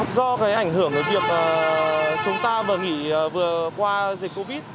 do cái ảnh hưởng của việc chúng ta vừa nghỉ vừa qua dịch covid